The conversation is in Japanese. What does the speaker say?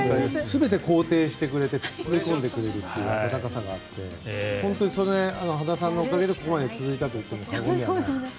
全て肯定してくれて包み込んでくれるという温かさがあって羽田さんのおかげでここまで続いたと言っても過言ではない。